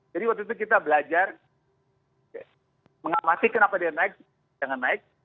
jadi waktu itu kita belajar mengamati kenapa dia naik jangan naik